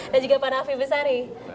dan juga pak nafi besari